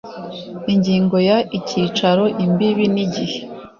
ingingo ya icyicaro imbibi n igihe